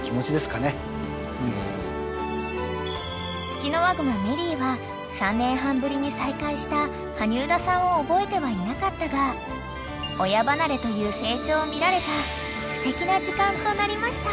［ツキノワグマメリーは３年半ぶりに再会した羽生田さんを覚えてはいなかったが親離れという成長を見られたすてきな時間となりました］